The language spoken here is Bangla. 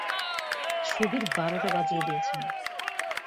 ছবির বারোটা বাজিয়ে দিয়েছেন।